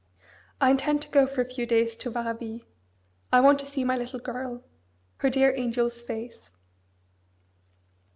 I intend to go for a few days to Varaville. I want to see my little girl: her dear angel's face.